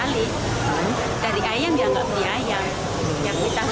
dari ayam ya nggak beli ayam